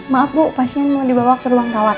maaf bu pasien mau dibawa ke ruang kawat